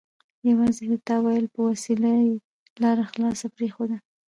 یوازې د تأویل په وسیله یې لاره خلاصه پرېښوده.